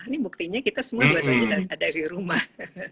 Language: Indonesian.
ini buktinya kita semua berdua juga ada di rumah